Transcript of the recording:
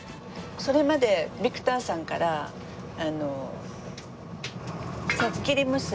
それまでビクターさんから茶っきり娘。